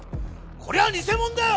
これは偽物だよ！